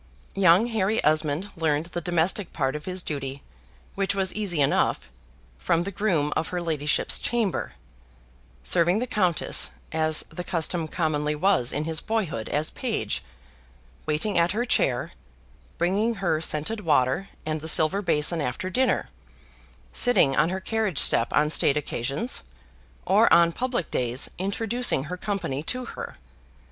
Young Harry Esmond learned the domestic part of his duty, which was easy enough, from the groom of her ladyship's chamber: serving the Countess, as the custom commonly was in his boyhood, as page, waiting at her chair, bringing her scented water and the silver basin after dinner sitting on her carriage step on state occasions, or on public days introducing her company to her.